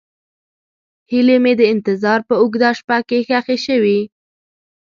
هیلې مې د انتظار په اوږده شپه کې ښخې شوې.